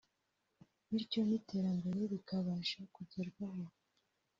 bityo n’iterambere rikabasha kugerwaho